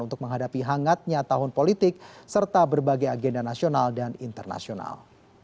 untuk menghadapi hangatnya tahun politik serta berbagai agenda nasional dan internasional